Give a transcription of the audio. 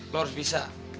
lo harus bisa